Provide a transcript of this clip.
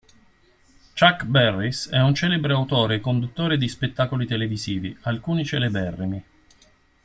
Chuck Barris è un celebre autore e conduttore di spettacoli televisivi, alcuni celeberrimi.